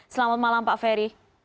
selamat malam pak ferry